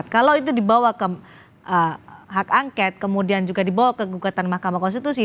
kalau itu dibawa ke hak angket kemudian juga dibawa ke gugatan mahkamah konstitusi